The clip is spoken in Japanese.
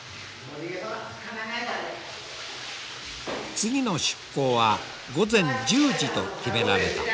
次の出港は午前１０時と決められた。